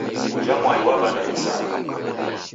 Ujha mwai wabanda kisaya.